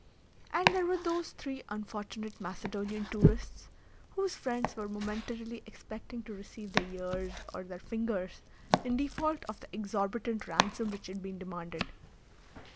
And there were those three unfortunate Macedonian tourists, whose friends were momentarily expecting to receive their ears or their fingers in default of the exorbitant ransom which had been demanded.